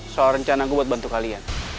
soal rencana aku buat bantu kalian